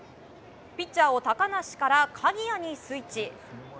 ピッチャーを高梨から鍵谷にスイッチ。